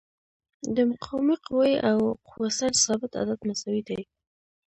د مقاومې قوې او قوه سنج ثابت عدد مساوي دي.